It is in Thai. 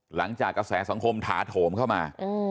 หลังจากกระแสสังคมถาโถมเข้ามา